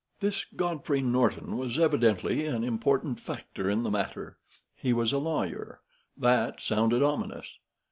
"This Godfrey Norton was evidently an important factor in the matter. He was a lawyer. That sounded ominous.